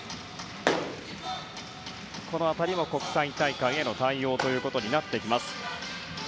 この辺りも国際大会への対応となってきます。